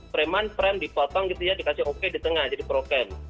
preman prem dipotong gitu ya dikasih oke di tengah jadi prokem